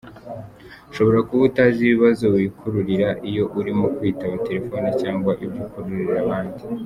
Ushobora kuba utazi ibibazo wikururira iyo urimo kwitaba telefoni cyangwa ibyo ukururira abandi.